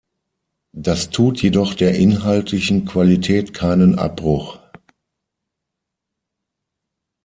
Das tut jedoch der inhaltlichen Qualität keinen Abbruch.